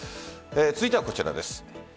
続いてはこちらです。